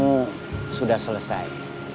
tugas kamu sudah selesai